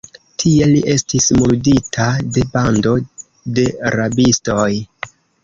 Tie li estis murdita de bando de rabistoj.